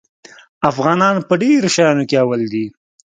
افغانان په ډېرو شیانو کې اول دي.